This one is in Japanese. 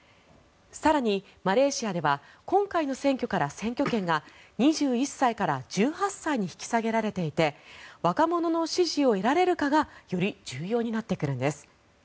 更に、マレーシアでは今回の選挙から選挙権が２１歳から１８歳に引き下げられていて若者の支持を得られるかがより重要になってくるんです。